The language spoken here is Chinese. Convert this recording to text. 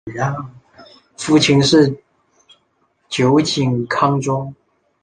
父亲是酒井康忠。